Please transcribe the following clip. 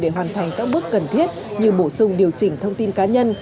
để hoàn thành các bước cần thiết như bổ sung điều chỉnh thông tin cá nhân